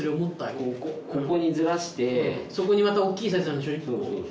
ここここにずらしてそこにまたおっきいサイズなんでしょそうそう